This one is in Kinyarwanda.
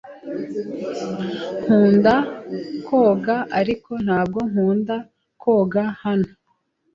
Nkunda koga, ariko ntabwo nkunda koga hano.